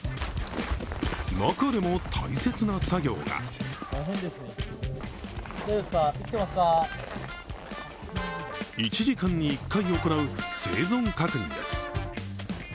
中でも大切な作業が１時間に１回行う生存確認です。